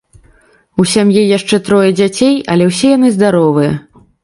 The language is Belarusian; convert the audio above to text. У сям'і яшчэ трое дзяцей, але ўсе яны здаровыя.